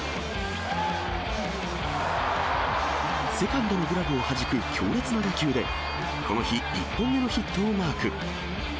セカンドのグラブをはじく強烈な打球で、この日１本目のヒットをマーク。